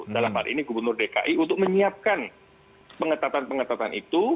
dalam hal ini gubernur dki untuk menyiapkan pengetatan pengetatan itu